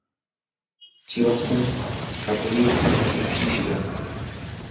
chiwakum kapulita tiwshishqa.